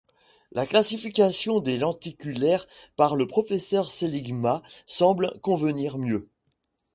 La classification de lenticulaire par le professeur Seligman semble convenir mieux.